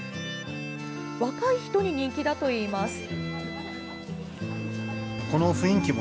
若い人に人気だといいます。